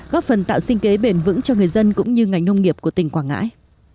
góp phần tạo sinh kế bền vững cho người dân cũng như ngành nông nghiệp của tỉnh quảng ngãi